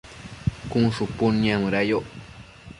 cun shupud niamëda yoc